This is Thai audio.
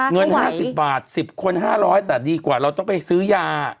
เงิน๕๐บาท๑๐คน๕๐๐แต่ดีกว่าเราต้องไปซื้อยา